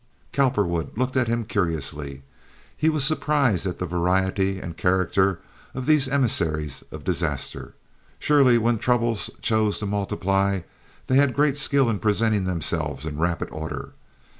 Cowperwood looked at him curiously. He was surprised at the variety and character of these emissaries of disaster. Surely, when troubles chose to multiply they had great skill in presenting themselves in rapid order.